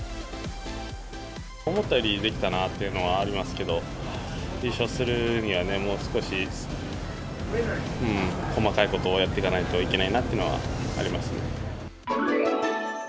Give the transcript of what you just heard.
思ったよりできたなっていうのはありますけど、優勝するにはね、もう少し細かいことをやっていかないといけないなというのはありますね。